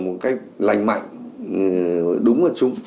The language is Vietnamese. một cách lành mạnh đúng với chúng